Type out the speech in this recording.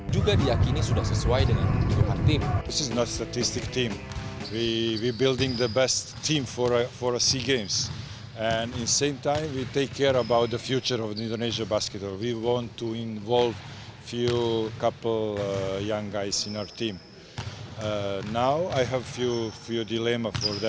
juga diakini sudah sesuai dengan bidang tim